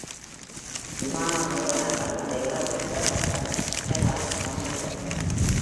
விமான நிறுவனங்கள் அதை இழந்துவிட்டதாக Klaus நம்புகிறார்.